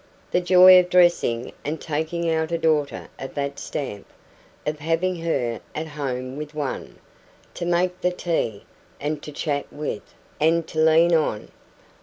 The joy of dressing and taking out a daughter of that stamp of having her at home with one, to make the tea, and to chat with, and to lean on!